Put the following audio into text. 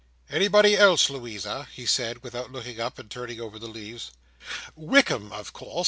"Anybody else, Louisa?" he said, without looking up, and turning over the leaves. "Wickam, of course.